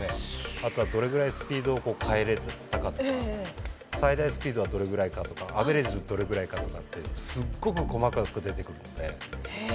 あとはどれぐらいスピードをこう変えれたかとか最大スピードはどれぐらいかとかアベレージどれぐらいかとかってすっごく細かく出てくるので。